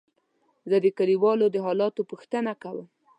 زه د کليوالو د حالاتو پوښتنه کوم.